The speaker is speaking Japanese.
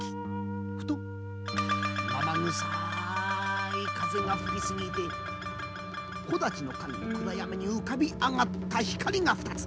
ふと生臭い風が吹き過ぎて木立の陰の暗闇に浮かび上がった光が２つ。